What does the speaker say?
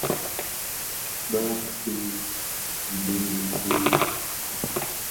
Bëghasi bèè dhitin la?